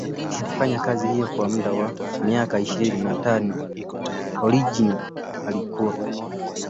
Alifanya kazi hiyo kwa muda wa miaka ishirini na tano Origene alikuwa